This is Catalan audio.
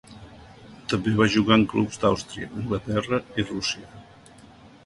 També va jugar en clubs d'Àustria, Anglaterra, i Rússia.